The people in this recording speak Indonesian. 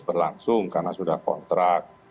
berlangsung karena sudah kontrak